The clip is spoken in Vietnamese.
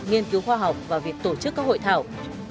nghiên cứu khoa học và việc tổ chức các hội thảo